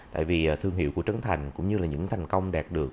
tại vì thương hiệu của trấn thành cũng như là những thành công đạt được